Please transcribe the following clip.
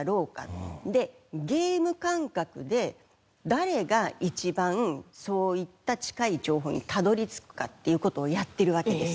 でゲーム感覚で誰が一番そういった近い情報にたどり着くかっていう事をやってるわけです。